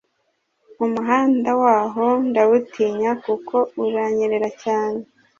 Umuhanda waho ndawutinya kuko uranyerera cyane